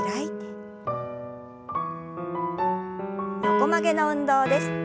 横曲げの運動です。